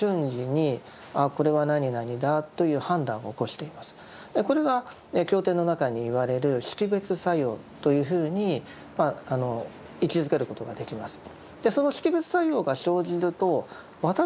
私たちは世界をこれが経典の中に言われる「識別作用」というふうに位置づけることができます。